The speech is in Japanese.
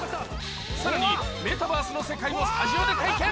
さらにメタバースの世界をスタジオで体験